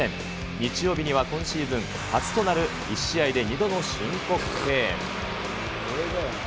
日曜日には今シーズン初となる、１試合で２度の申告敬遠。